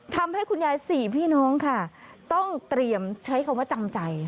ทำให้คุณยายสี่พี่น้องค่ะต้องเตรียมใช้คำว่าจำใจ